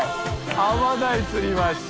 ▲泪瀬釣りました。